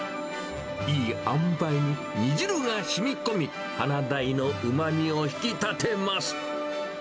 いいあんばいに煮汁がしみこみ、ハナダイのうまみを引き立てます。